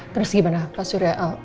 terus gimana pak suria